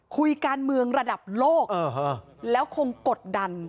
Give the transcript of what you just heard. คุยการเมืองระดับโลกแล้วคงกดดัน